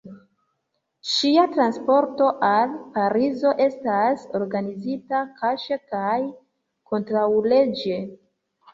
Ŝia transporto al Parizo estas organizita kaŝe kaj kontraŭleĝe.